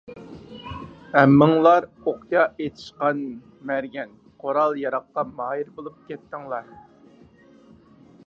ھەممىڭلار ئوقيا ئېتىشقا مەرگەن، قورال - ياراغقا ماھىر بولۇپ كەتتىڭلار.